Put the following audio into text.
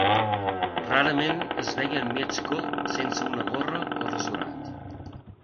Rarament es veia en Mieszko sense una gorra o rasurat.